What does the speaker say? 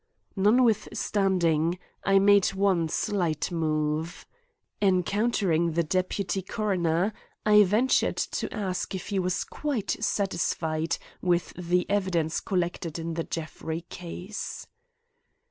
Notwithstanding, I made one slight move. Encountering the deputy coroner, I ventured to ask if he was quite satisfied with the evidence collected in the Jeffrey case.